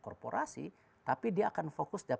korporasi tapi dia akan fokus